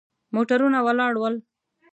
موټرونه ولاړ ول.